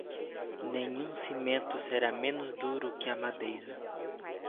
Nenhum cimento será menos duro que a madeira.